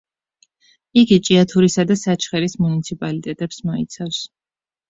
იგი ჭიათურისა და საჩხერის მუნიციპალიტეტებს მოიცავს.